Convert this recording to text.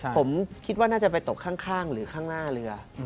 ผมคิดว่าน่าจะไปตกข้างหรือข้างหน้าเรือ